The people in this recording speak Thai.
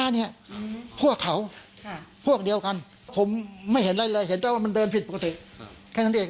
เดินอยู่ข้างนอกไม่ได้เดินอยู่ข้างนอก